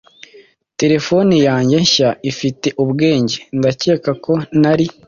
terefone yanjye nshya ifite ubwenge. ndakeka ko ntari